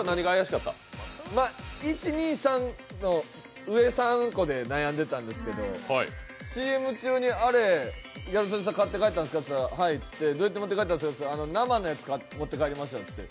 １、２、３の上３個で悩んでたんですけど、ＣＭ中に、ギャル曽根さんに買って帰ったんですかって言ったらはいって言って、どうやって持って帰ったんですかって聞いたら生のやつ、持って帰りましたって。